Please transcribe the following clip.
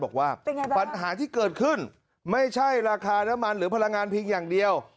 บอกว่าปัญหาที่เกิดขึ้นไม่ใช่ราคาน้ำมันหรือพลังงานเพียงอย่างเดียว